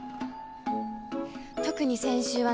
特に先週はね